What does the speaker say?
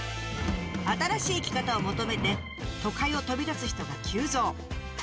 新しい生き方を求めて都会を飛び出す人が急増。